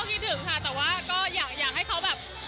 คิดถึงค่ะแต่ว่าก็อยากให้เขาแบบ